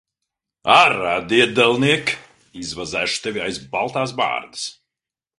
Ārā, diedelniek! Izvazāšu tevi aiz baltās bārdas.